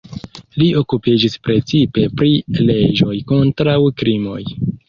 Li okupiĝis precipe pri leĝoj kontraŭ krimoj.